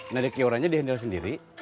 nenek iurannya dihendal sendiri